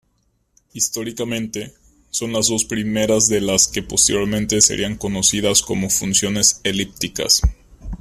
Históricamente, son las dos primeras de las que posteriormente serían conocidas como funciones elípticas.